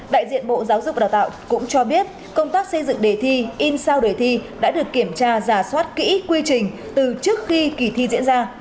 đại diện bộ giáo dục và đào tạo cũng cho biết công tác xây dựng đề thi in sao đề thi đã được kiểm tra giả soát kỹ quy trình từ trước khi kỳ thi diễn ra